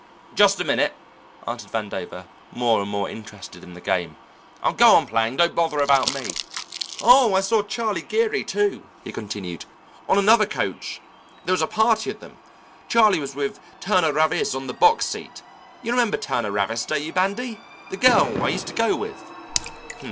"Just a minute," answered Vandover, more and more interested in the game. "Go on playing; don't bother about me. Oh, I saw Charlie Geary, too," he continued, "on another coach; there was a party of them. Charlie was with Turner Ravis on the box seat. You remember Turner Ravis, don't you, Bandy? The girl I used to go with."